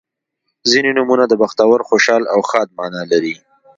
• ځینې نومونه د بختور، خوشحال او ښاد معنا لري.